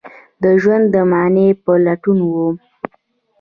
د ژوند د معنی په لټون وم